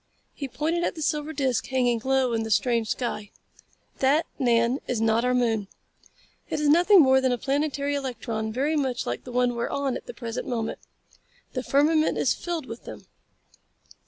He pointed at the silver disc hanging low in the strange sky. "That, Nan, is not our moon. It is nothing more than a planetary electron very much like the one we are on at the present moment. The firmament is filled with them.